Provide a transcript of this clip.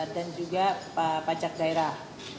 dan juga pajak daerah